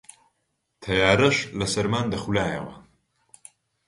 تەیارەش لە سەرمان دەخولایەوە